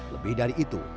lebih dari itu